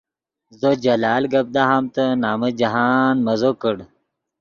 زو جلال گپ دہامتے نمن جاہند مزو کڑ